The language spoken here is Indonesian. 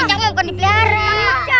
cicaknya bukan dipelihara